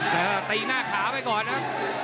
แต่ตีหน้าขาไปก่อนนะ